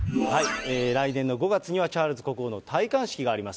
来年の５月には、チャールズ国王の戴冠式があります。